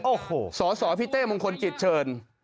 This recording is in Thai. โอ้โหสสพี่เต้มงคลกิจเชิญ